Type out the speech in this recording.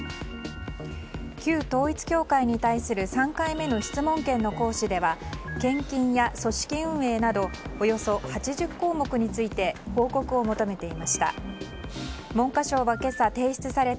旧統一教会に対する３回目の質問権の行使では献金や組織運営などおよそ８０項目について報告を求めていました。